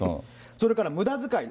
それからむだづかい。